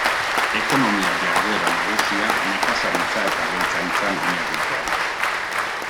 Ekonomia jarduera nagusia nekazaritza eta abeltzaintzan oinarritua da.